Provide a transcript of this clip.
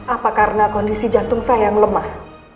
apa karena kondisi jantung saya yang lemah